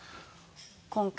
今回。